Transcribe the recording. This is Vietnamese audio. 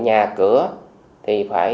ở nhà cửa thì phải